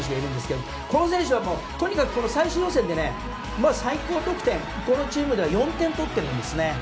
この選手はとにかく最終予選で最高得点、このチームでは４点取っているんです。